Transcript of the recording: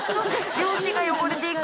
領地が汚れていく。